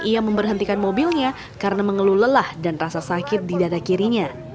ia memberhentikan mobilnya karena mengeluh lelah dan rasa sakit di dada kirinya